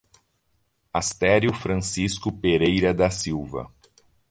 Asterio Francisco Pereira da Silva